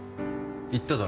言っただろ